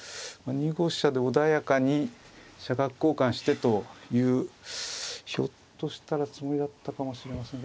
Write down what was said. ２五飛車で穏やかに飛車角交換してというひょっとしたらつもりだったかもしれません。